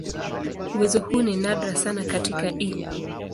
Uwezo huu ni nadra sana katika "E.